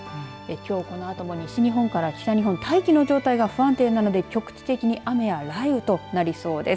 きょうこのあとも西日本から北日本大気の状態が不安定なので局地的に雨や雷雨となりそうです。